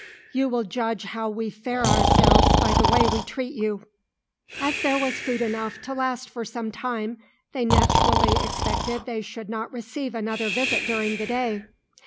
You will judge how we fare ourselves by the way we treat you." As there was food enough to last for some time they naturally expected they should not receive another visit during the day.